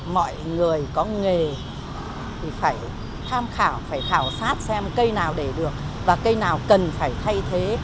mọi người có nghề thì phải tham khảo phải khảo sát xem cây nào để được và cây nào cần phải thay thế